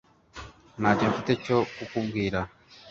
Ntacyo mfite cyo kukubwira